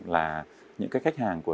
là những cái khách hàng của